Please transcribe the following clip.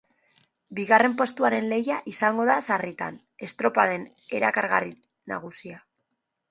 Bigarren postuaren lehia izango da sarritan, estropaden erakargarri nagusia.